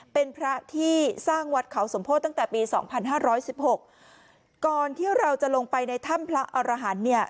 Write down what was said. เป็นพระที่สร้างวัดเขาสมโพธิตั้งแต่ปีสองพันห้าร้อยสิบหกก่อนที่เราจะลงไปในถ้ำพระอรหันต์เนี่ย